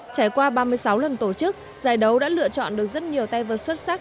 trải qua ba mươi sáu lần tổ chức giải đấu đã lựa chọn được rất nhiều tay vượt xuất sắc